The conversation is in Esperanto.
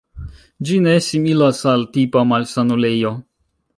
Ĝi ne similas al tipa malsanulejo.